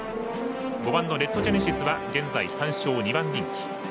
５番レッドジェネシスは現在、単勝２番人気。